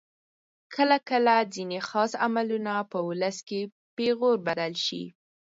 کله کله ځینې خاص عملونه په ولس کې پیغور بدل شي.